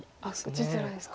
打ちづらいですか。